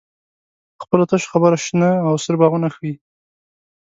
په خپلو تشو خبرو شنه او سره باغونه ښیې.